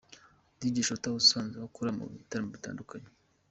Dj Shooter asanzwe akora mu bitaramo bitandukanye.